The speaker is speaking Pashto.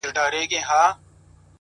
سم وارخطا’